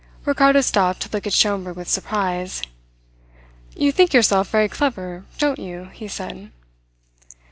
Ricardo stopped to look at Schomberg with surprise. "You think yourself very clever, don't you?" he said.